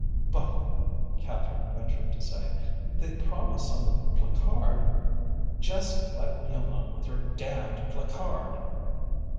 "But," Catherine ventured to say, "they promise on the placard " "Just let me alone with your damned placard!